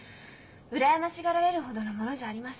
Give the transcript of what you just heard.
羨ましがられるほどのものじゃありません。